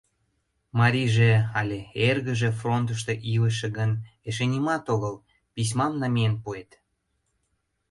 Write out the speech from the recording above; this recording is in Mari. — Марийже але эргыже фронтышто илыше гын, эше нимат огыл, письмам намиен пуэт.